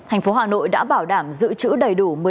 tp hà nội đã bảo đảm giữ chữ đầy đủ